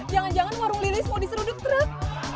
jangan jangan warung lili semua diseruduk truk